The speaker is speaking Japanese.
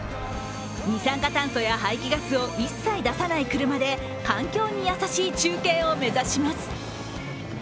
二酸化炭素や排気ガスを一切出さない車で環境に優しい中継を目指します。